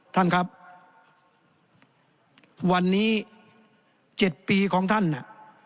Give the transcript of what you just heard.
ท่านครับวันนี้๗ปีของท่านน่ะ